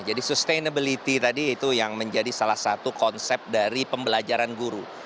jadi sustainability tadi itu yang menjadi salah satu konsep dari pembelajaran guru